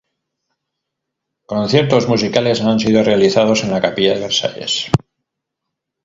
Conciertos musicales han sido realizados en la capilla de Versalles.